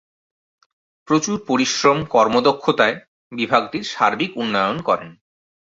প্রচুর পরিশ্রম, কর্মদক্ষতায় বিভাগটির সার্বিক উন্নয়ন করেন।